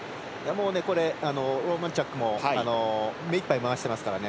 ローマンチャックも目いっぱい回してますからね。